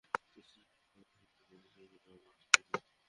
তিস্তাসহ আমাদের যেসব দাবি আছে, সেগুলো নিয়ে আন্দোলন চালিয়ে যেতে হবে।